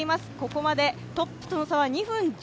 ここまでトップとの差は２分１０秒。